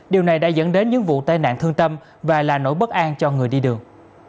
điều này đã dẫn đến những vụ tai nạn thương tâm và là nỗi bất an cho người đi đường